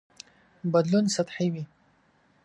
بدلون سطحي وي.